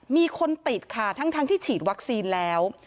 มีคนติดค่ะทั้งที่ฉีดวัคซีนแล้ว